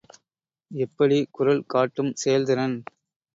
எப்படி குறள் காட்டும் செயல்திறன்?